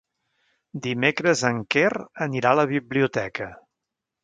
Dimecres en Quer anirà a la biblioteca.